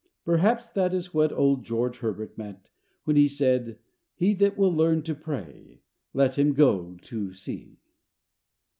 Perhaps that is what old George Herbert meant when he said, He that will learn to pray, let him go to sea.